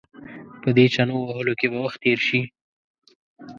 په دې چنو وهلو کې به وخت تېر شي.